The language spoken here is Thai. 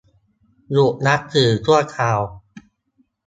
หยุดรับสื่อชั่วคราว